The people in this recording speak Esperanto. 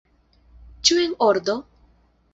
Ĉu en ordo?